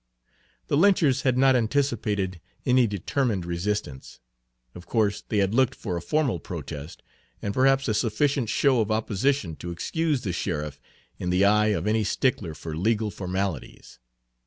The lynchers had not anticipated any determined resistance. Of course they had looked for a formal protest, and perhaps a sufficient show of opposition to excuse the sheriff in the eye of any stickler for legal formalities.